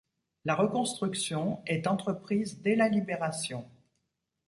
La reconstruction est entreprise dès la Libération.